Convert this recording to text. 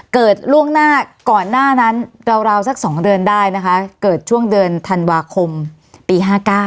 ล่วงหน้าก่อนหน้านั้นราวสัก๒เดือนได้นะคะเกิดช่วงเดือนธันวาคมปี๕๙